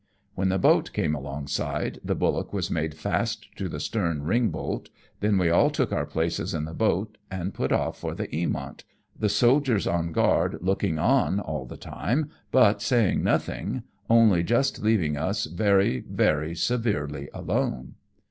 When the boat came alongside, the bullock was made fast to the stern ring bolt, then we all took our places in the boat and put off for the Eamont, the soldiers on guard looking on all the time, but saying nothing, only just leaving us very, very severely alone.